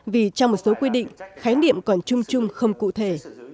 vì trong một số quy định khái niệm còn chung chung không cụ thể